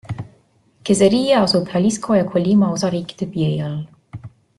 Queseria asub Jalisco ja Colima osariikide piirialal.